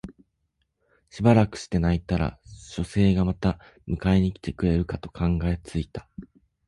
しばらくして泣いたら書生がまた迎えに来てくれるかと考え付いた